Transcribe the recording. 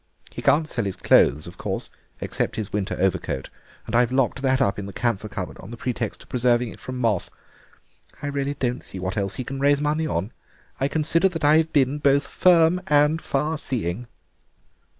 He can't sell his clothes, of course, except his winter overcoat, and I've locked that up in the camphor cupboard on the pretext of preserving it from moth. I really don't see what else he can raise money on. I consider that I've been both firm and farseeing."